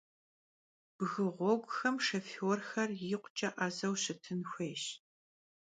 Bgı ğueguxem şşofêrxer yikhuç'e 'ezeu şışıtın xuêyş.